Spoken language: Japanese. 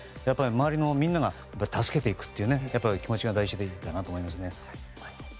やっぱり周りのみんなが助けていくという気持ちが大事かと思います。